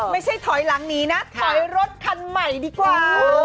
ไม่ใช่ถอยหลังหนีนะถอยรถคันใหม่ดีกว่า